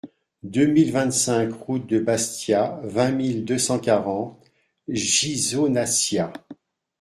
deux mille vingt-cinq route de Bastia, vingt mille deux cent quarante Ghisonaccia